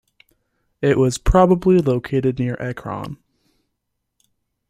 It was probably located near Ekron.